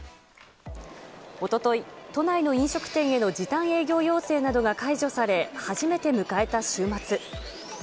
おととい、都内の飲食店への時短営業要請などが解除され初めて迎えた週末。